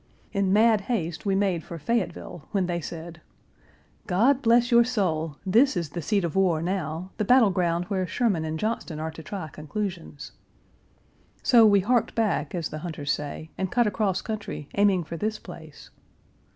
In mad haste we made for Fayetteville, when they said: 'God bless your soul! This is the seat of war now; the battle ground where Sherman and Johnston are to try conclusions.' So we harked back, as the hunters say, and cut across country, aiming for this place.